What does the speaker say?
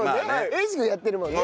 英二君やってるもんね。